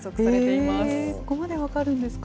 ここまで分かるんですか。